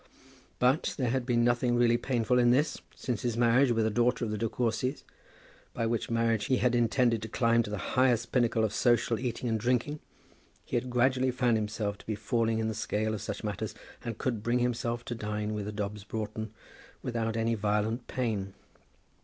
But there had been nothing really painful in this. Since his marriage with a daughter of the De Courcys, by which marriage he had intended to climb to the highest pinnacle of social eating and drinking, he had gradually found himself to be falling in the scale of such matters, and could bring himself to dine with a Dobbs Broughton without any violent pain.